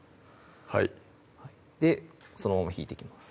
はいでそのまま引いていきます